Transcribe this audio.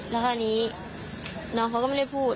แล้วคราวนี้น้องเขาก็ไม่ได้พูด